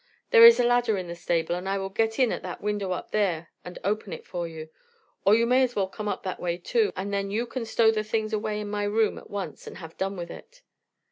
There is a ladder in the stable, and I will get in at that window up there and open it for you. Or you may as well come up that way, too, and then you can stow the things away in my room at once, and have done with it."